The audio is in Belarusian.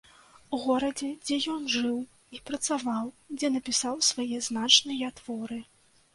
Горадзе, дзе ён жыў і працаваў, дзе напісаў свае значныя творы.